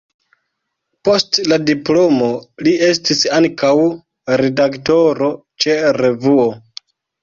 Post la diplomo li estis ankaŭ redaktoro ĉe revuo.